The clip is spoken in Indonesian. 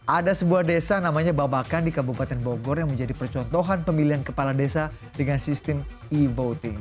ada sebuah desa namanya babakan di kabupaten bogor yang menjadi percontohan pemilihan kepala desa dengan sistem e voting